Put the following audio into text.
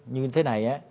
như thế này